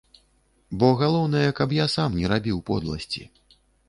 Бо галоўнае, каб я сам не рабіў подласці.